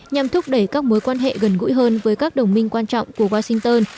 nhằm thúc đẩy các mối quan hệ gần gũi hơn với các đồng minh quan trọng của washington